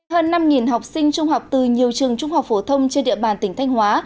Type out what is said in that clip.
hơn năm học sinh trung học từ nhiều trường trung học phổ thông trên địa bàn tỉnh thanh hóa